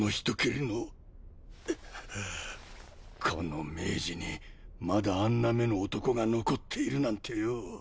この明治にまだあんな目の男が残っているなんてよぉ。